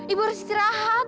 ibu harus istirahat